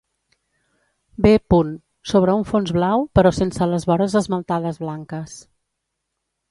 B. sobre un fons blau, però sense les vores esmaltades blanques.